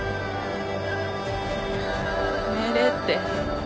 命令って。